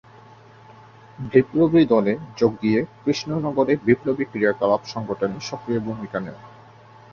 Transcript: বিপ্লবী দলে যোগ দিয়ে কৃষ্ণনগরে বিপ্লবী ক্রিয়াকলাপ সংগঠনে সক্রিয় ভূমিকা নেন।